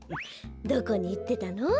どこにいってたの？